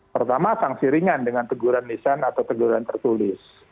pertama sanksi ringan dengan teguran lisan atau teguran tertulis